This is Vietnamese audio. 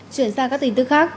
chuyển sang các tin tức khác